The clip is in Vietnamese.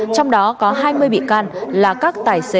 trong đó có hai mươi bị can là các tài xế